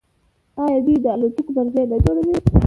آیا دوی د الوتکو پرزې نه جوړوي؟